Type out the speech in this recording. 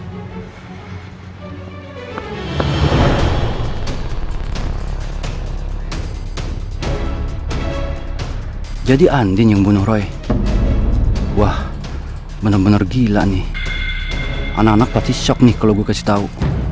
hai jadi andin yang bunuh roy wah bener bener gila nih anak anak pasti shock nih kalau gue kasih tahu